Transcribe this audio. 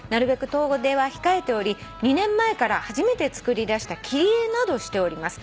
遠出は控えており２年前から初めて作りだした切り絵などしております」